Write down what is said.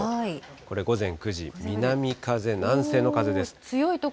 これ、午前９時、南風、南西の風です。